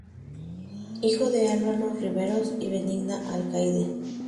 Hijo de Alvaro Riveros y Benigna Alcaide.